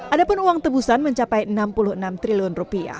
ada pun uang tebusan mencapai rp enam puluh enam triliun